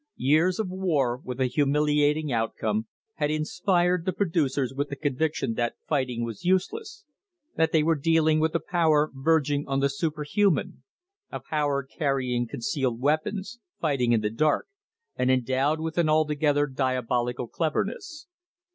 Years of war with a humiliating outcome had inspired the producers with the conviction that fighting was useless, that they were deal ing with a power verging on the superhuman a power car rying concealed weapons, fighting in the dark, and endowed with an altogether diabolic cleverness.